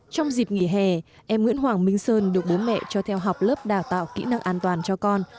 trong dịp nghỉ hè em nguyễn hoàng minh sơn được bố mẹ cho theo học lớp đào tạo kỹ năng an toàn cho con